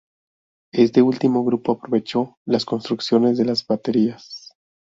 Este último grupo aprovechó las construcciones de las baterías.